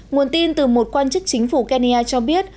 nguồn tin từ một quan chức chính phủ kenya cho biết